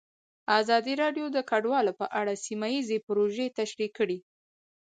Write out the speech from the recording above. ازادي راډیو د کډوال په اړه سیمه ییزې پروژې تشریح کړې.